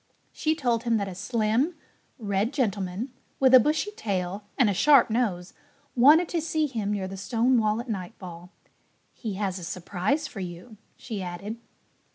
She told him that a slim, red gentleman with a bushy tail and a sharp nose wanted to see him near the stone wall at nightfall. "He has a surprise for you," she added.